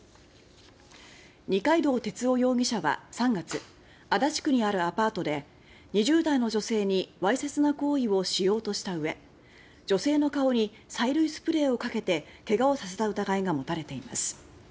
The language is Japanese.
二階堂哲夫容疑者は３月足立区にあるアパートで２０代の女性にわいせつな行為をしようとしたうえ女性の顔に催涙スプレーをかけて怪我をさせた疑いが持たれています。